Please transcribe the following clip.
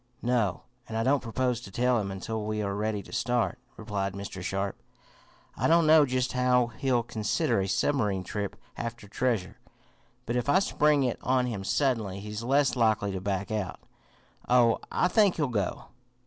"No, and I don't propose to tell him until we are ready to start," replied Mr. Sharp. "I don't know just how he'll consider a submarine trip after treasure, but if I spring it on him suddenly he's less likely to back out. Oh, I think he'll go."